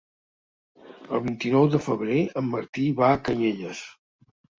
El vint-i-nou de febrer en Martí va a Canyelles.